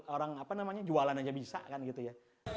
orang jualan aja bisa kan gitu ya